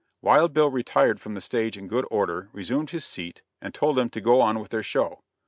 Wild Bill retired from the stage in good order, resumed his seat, and told them to go on with their show.